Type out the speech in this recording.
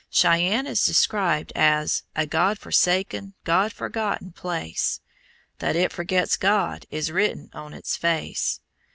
Cheyenne is described as "a God forsaken, God forgotten place." That it forgets God is written on its face.